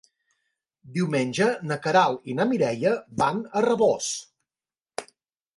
Diumenge na Queralt i na Mireia van a Rabós.